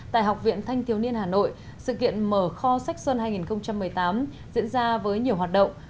tại học viện thanh thiếu niên hà nội sự kiện mở kho sách xuân hai nghìn một mươi tám diễn ra với nhiều hoạt động